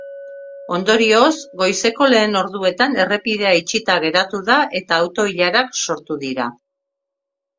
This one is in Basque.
Ondorioz, goizeko lehen orduetan errepidea itxita geratu da eta auto-ilarak sortu dira.